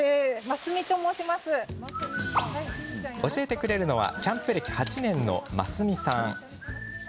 教えてくれるのはキャンプ歴８年の真澄さん。